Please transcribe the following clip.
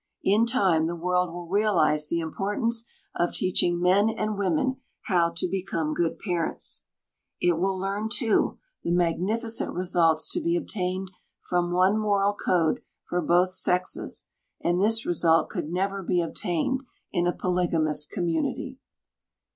In time the world will realize the importance of teaching men and women how to become good parents. It will learn, too, the magnificent results to be obtained from one moral code for both sexes, and this result could never be obtained in a polygamous community.